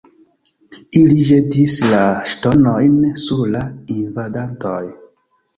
Ili ĵetis la ŝtonojn sur la invadantoj.